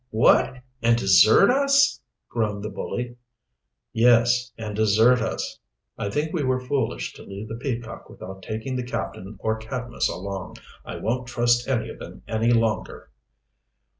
"What, and desert us!" groaned the bully. "Yes, and desert us. I think we were foolish to leave the Peacock without taking the captain or Cadmus along. I won't trust any of them any longer."